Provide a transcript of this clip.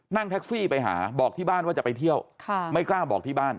นั่งแท็กซี่ไปหาบอกที่บ้านว่าจะไปเที่ยวไม่กล้าบอกที่บ้าน